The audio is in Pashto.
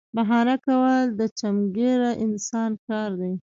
بهانه کول د چمګیره انسان کار دی